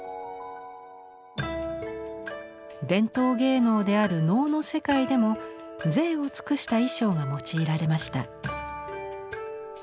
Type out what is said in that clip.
伝統芸能である能の世界でも贅を尽くした衣装が用いられました。